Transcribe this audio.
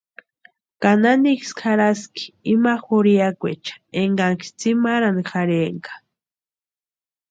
¿Ka naniksï jarhaski ima jurhiakweecha énkaksï tsimarhani jarhaenka?